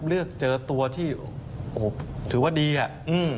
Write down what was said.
เลือกเจอตัวที่โอ้โหถือว่าดีอ่ะอืม